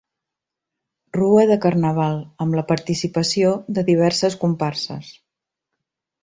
Rua de carnaval, amb la participació de diverses comparses.